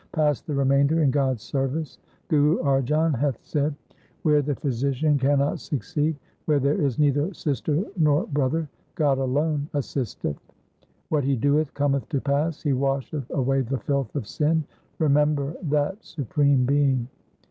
Pass the remainder in God's service. Guru Arjan hath said :— Where the physician cannot succeed, where there is neither sister nor brother, God alone assisteth. What He doeth cometh to pass, He washeth away the filth of sin ; remember that Supreme Being.